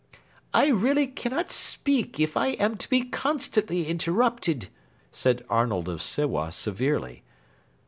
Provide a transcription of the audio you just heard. "I really cannot speak if I am to be constantly interrupted," said Arnold of Sewa severely.